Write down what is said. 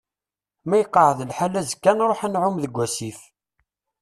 Ma iqeεεed lḥal azekka ad nruḥ ad nεumm deg asif.